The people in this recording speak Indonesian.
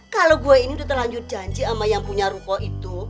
kalo gua ini tuh terlanjut janji sama yang punya ruko itu